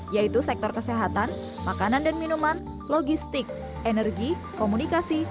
yaitu sektor kesehatan makanan dan minuman logistik energi komunikasi